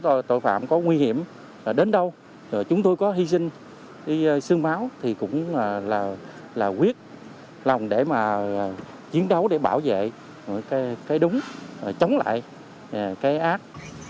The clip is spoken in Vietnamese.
các tội phạm có nguy hiểm đến đâu chúng tôi có hy sinh cái xương máu thì cũng là quyết lòng để mà chiến đấu để bảo vệ cái đúng chống lại cái ác